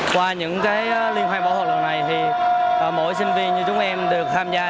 qua những liên hoan võ thuật lần này thì mỗi sinh viên như chúng em được tham gia